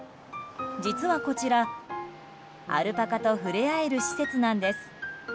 実はこちらアルパカと触れ合える施設なんです。